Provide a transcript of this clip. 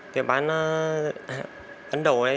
tiệm bán ấn độ